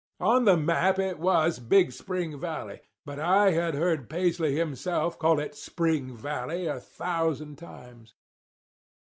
On the map it was Big Spring Valley; but I had heard Paisley himself call it Spring Valley a thousand times.